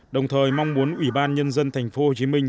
đồng thời mong muốn ủy ban nhân dân thành phố hồ chí minh